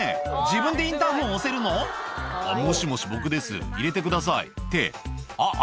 自分でインターホン押せるの「もしもし僕です入れてください」ってあっ